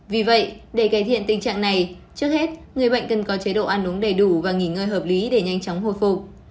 vì vậy để cải thiện tình trạng này trước hết người bệnh cần có chế độ ăn uống đầy đủ và nghỉ ngơi hợp lý để nhanh chóng hồi phục